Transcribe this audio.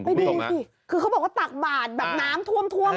ไม่ดีสิคือเขาบอกว่าตากบ่านแบบน้ำท่วมแบบนี้